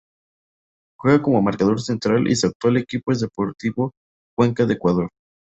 Juega como marcador central y su actual equipo es Deportivo Cuenca de Ecuador.